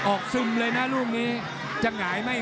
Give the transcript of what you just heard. ออกซึมเลยเรื่องนี้